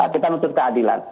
kita nuntut keadilan